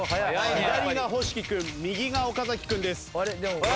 左が星輝君右が岡君です。